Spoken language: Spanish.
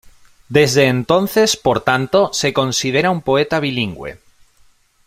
Desde entonces, por tanto, se considera un poeta bilingüe.